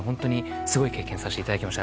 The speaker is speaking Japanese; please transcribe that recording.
すごい経験をさせていただきました。